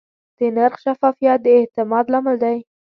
د نرخ شفافیت د اعتماد لامل دی.